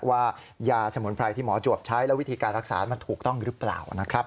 ว่ายาสมุนไพรที่หมอจวบใช้และวิธีการรักษามันถูกต้องหรือเปล่านะครับ